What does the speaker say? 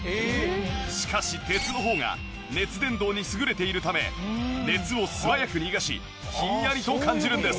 しかし鉄の方が熱伝導に優れているため熱を素早く逃がしヒンヤリと感じるんです。